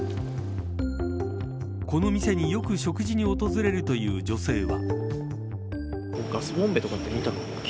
この店によく食事に訪れるという女性は。